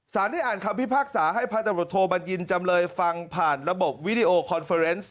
สารได้อ่านคำพิพากษาให้พระจับโทบันยินธ์จำเลยฟังผ่านระบบวิดีโอคอนเฟอร์เตอร์เนส